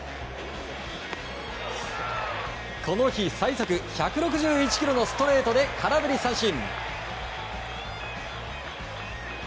この日最速１６１キロのストレートで空振り三振。